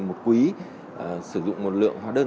một quý sử dụng một lượng hóa đơn